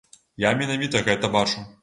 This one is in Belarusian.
Я менавіта гэта бачу.